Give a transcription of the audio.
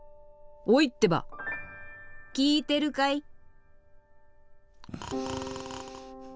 おいってば聞いてるかい？